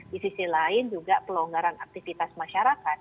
di sisi lain juga pelonggaran aktivitas masyarakat